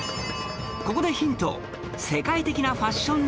ここでヒント